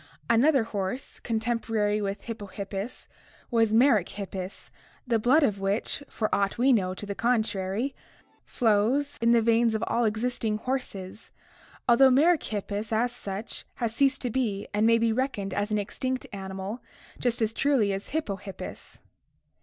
Another horse, contemporary with Hypohippus, was Meryckippus, the blood of which, for aught we know to the contrary, flows in RECAPITULATION, RACIAL OLD AGE 225 the veins of all existing horses, although Merychippus as such has ceased to be and may be reckoned as an extinct animal just as truly as Hypokippus.